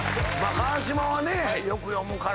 川島はねよく読むから。